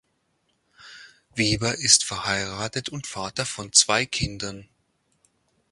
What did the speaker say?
Weber ist verheiratet und Vater von zwei Kindern.